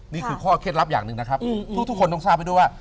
นี่คือข้อเคล็ดลับอย่างหนึ่งนะครับทุกคนต้องทราบให้ด้วยว่า